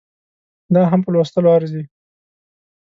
دا هم په لوستلو ارزي